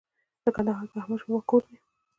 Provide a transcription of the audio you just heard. کندهار د احمد شاه بابا کور دی